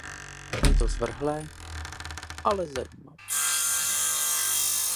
Je to zvrhlé, ale zajímavé.